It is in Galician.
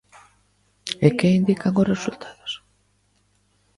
E que indican os resultados?